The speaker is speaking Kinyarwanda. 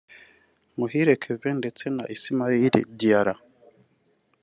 Muhire Kevin ndetse na Ismaila Diarra